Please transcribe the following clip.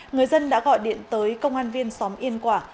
người dân đã gọi điện tới công an viên xóm yên quả